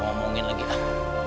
bang jek terima kasih